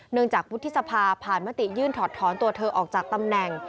จากวุฒิสภาผ่านมติยื่นถอดถอนตัวเธอออกจากตำแหน่ง